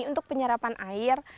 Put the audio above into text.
untuk penyerapan air